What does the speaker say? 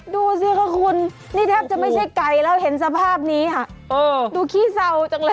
ดูสิค่ะคุณนี่แทบจะไม่ใช่ไก่แล้วเห็นสภาพนี้ค่ะดูขี้เศร้าจังเลย